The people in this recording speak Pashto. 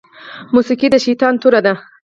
موسيقي د شيطان توره ده